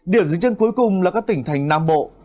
điểm dưới chân cuối cùng là các tỉnh thành nam bộ